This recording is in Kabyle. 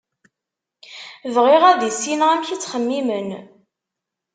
Bɣiɣ ad issineɣ amek i ttxemmimen.